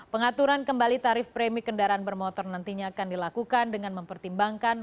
pengaturan kembali tarif premi kendaraan bermotor nantinya akan dilakukan dengan mempertimbangkan